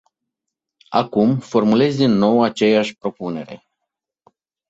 Acum, formulez din nou aceeași propunere.